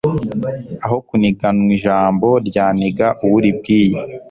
aho kuniganwa ijambo ryaniga uwo uribwiye